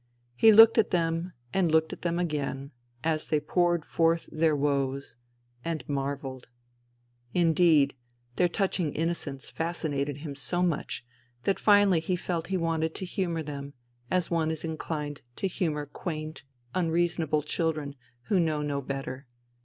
He looked at them and looked at them again, as they poured forth their woes .. .and marvelled. Indeed, their touch ing innocence fascinated him so much that finally he felt he wanted to humour them, as one is inclined to humour quaint, unreasonable children who know no better.